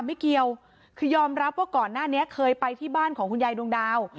ไม่เกี่ยวคือยอมรับว่าก่อนหน้านี้เคยไปที่บ้านของคุณยายดวงดาว